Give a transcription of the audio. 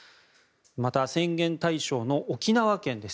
また、宣言対象の沖縄県です。